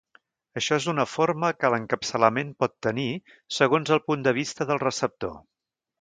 Això és una forma que l'encapçalament pot tenir segons el punt de vista del receptor.